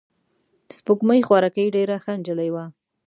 سپوږمۍ خوارکۍ ډېره ښه نجلۍ وه.